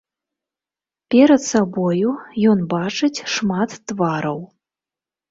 Перад сабою ён бачыць шмат твараў.